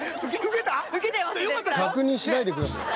「確認しないでください」